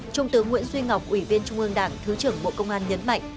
trung tướng nguyễn duy ngọc ủy viên trung ương đảng thứ trưởng bộ công an nhấn mạnh